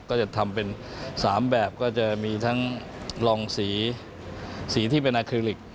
ก็จะทำเป็น๓แบบก็จะมีทั้งลองสีสีที่เป็นอาเคลิก